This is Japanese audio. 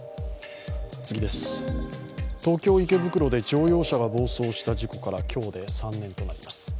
東京・池袋で乗用車が暴走した事故から今日で３年となります。